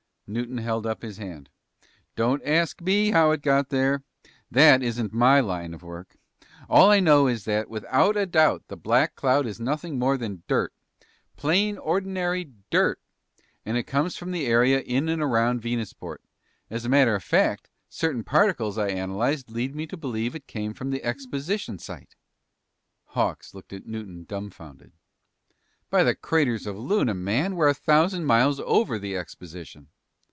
Newton held up his hand. "Don't ask me how it got here. That isn't my line of work. All I know is that, without a doubt, the black cloud is nothing more than dirt. Plain ordinary dirt! And it comes from the area in and around Venusport. As a matter of fact, certain particles I analyzed lead me to believe it came from the exposition site!" Hawks looked at Newton dumbfounded. "By the craters of Luna, man, we're a thousand miles over the exposition!"